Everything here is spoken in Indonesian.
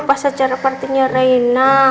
pas acara partinya rena